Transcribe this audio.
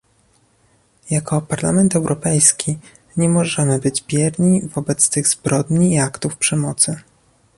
Jako Parlament Europejski nie możemy być bierni wobec tych zbrodni i aktów przemocy